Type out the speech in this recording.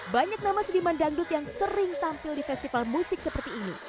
banyak nama sediman dangdut yang sering tampil di festival musik seperti ini